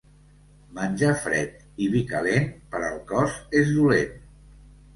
Menjar fred i vi calent, per al cos és dolent.